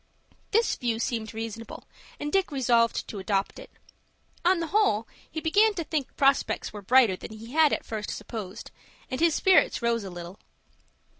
This view seemed reasonable, and Dick resolved to adopt it. On the whole, he began to think prospects were brighter than he had at first supposed, and his spirits rose a little.